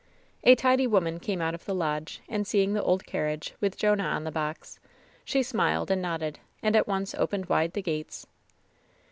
A tidy woman come out of the lodge, and seeing the old carriage, with Jonah on the box, she smiled and nodded, and at once opened wide the gates.